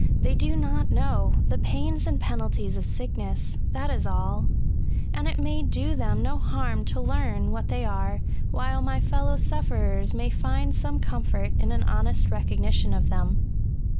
They do not know the pains and penalties of sickness— that is all: and it may do them no harm to learn what they are, while my fellow sufferers may find some comfort in an honest recognition of them.